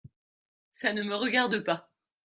Ca ne me regarde pas…